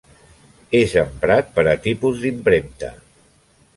És emprat per a tipus d'impremta.